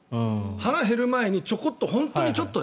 腹が減る前に本当にちょこっと。